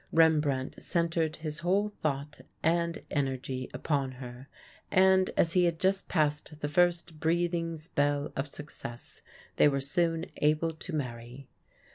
Rembrandt centered his whole thought and energy upon her, and as he had just passed the first breathing spell of success they were soon able to marry.